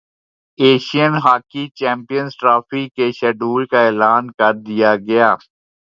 Asian hockey champions trophy کے schedule کا اعلان کردیا گیا